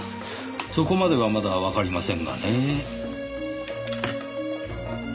そこまではまだわかりませんがねぇ。